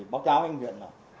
báo cáo anh nguyễn